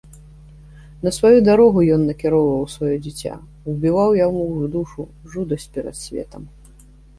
На сваю дарогу ён накіроўваў сваё дзіця, убіваў яму ў душу жудасць перад светам.